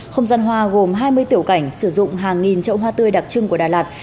không gian hoa gồm hai mươi tiểu cảnh sử dụng hàng nghìn trậu hoa tươi đặc trưng của đà lạt